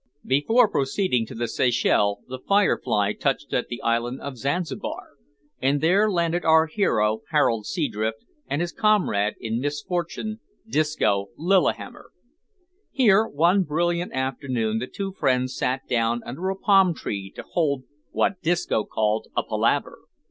Before proceeding to the Seychelles, the `Firefly' touched at the island of Zanzibar, and there landed our hero Harold Seadrift and his comrade in misfortune, Disco Lillihammer. Here, one brilliant afternoon, the two friends sat down under a palm tree to hold what Disco called a palaver.